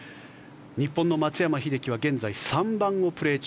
日本の松山英樹は現在３番をプレー中。